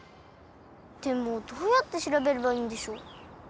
でもどうやってしらべればいいんでしょう？